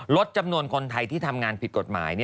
ลดจำนวนคนไทยที่ทำงานผิดกฎหมาย